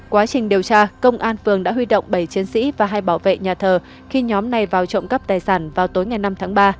quá trình điều tra công an phường đã huy động bảy chiến sĩ và hai bảo vệ nhà thờ khi nhóm này vào trộm cắp tài sản vào tối ngày năm tháng ba